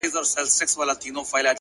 حقیقت د وخت ازموینه تېروي،